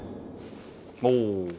ほう。